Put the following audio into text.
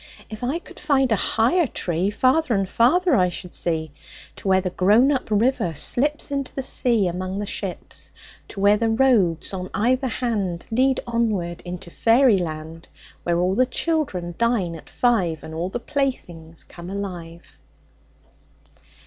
If I could find a higher tree Farther and farther I should see, To where the grown up river slips Into the sea among the ships, To where the roads on either hand Lead onward into fairy land, Where all the children dine at five, And all the playthings come alive.